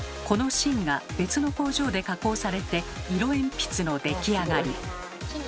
この芯が別の工場で加工されて色鉛筆の出来上がり。